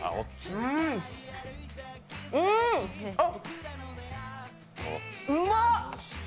うん！あっ、うまっ！